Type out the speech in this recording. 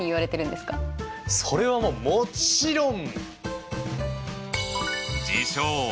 それはもちろん！